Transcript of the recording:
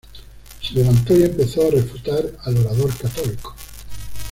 Se levantó y empezó a refutar al orador católico.